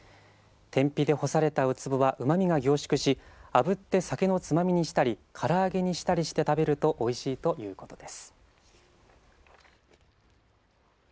天日で干されたウツボはうまみが凝縮しあぶって酒のつまみにしたり唐揚げにしたりして食べるとおいしいということです。